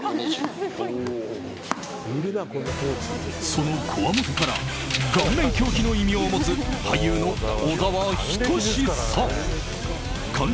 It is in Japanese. その、こわもてから顔面凶器の異名を持つ俳優の小沢仁志さん。